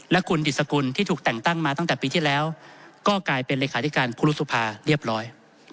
และคุณดิสกุลที่ถูกแต่งตั้งมาตั้งแต่ปีที่แล้วก็กลายเป็นเลขาธิการครูรุษภาเรียบร้อย